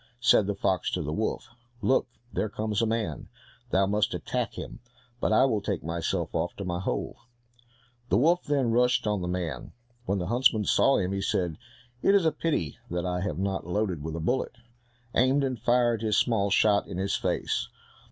Said the fox to the wolf, "Look, there comes a man, thou must attack him, but I will take myself off to my hole." The wolf then rushed on the man. When the huntsman saw him he said, "It is a pity that I have not loaded with a bullet," aimed, and fired his small shot in his face.